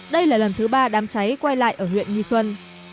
đây là lần thứ ba đám cháy quay lại ở huyện nghi xuân